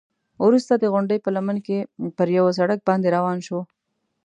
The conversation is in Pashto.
وروسته د غونډۍ په لمن کې پر یوه سړک باندې روان شوو.